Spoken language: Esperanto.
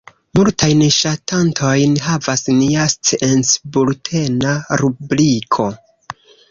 Multajn ŝatantojn havas nia sciencbultena rubriko.